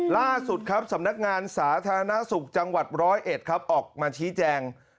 ล่าสุดครับสำนักงานสาธารณสุขจังหวัด๑๐๑ครับออกมาชี้แจง